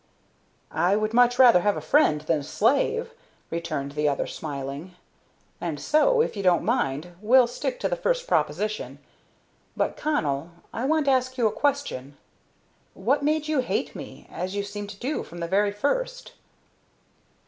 "I would much rather have a friend than a slave," returned the other, smiling. "And so, if you don't mind, we'll stick to the first proposition. But, Connell, I want to ask you a question. What made you hate me, as you seemed to do from the very first?"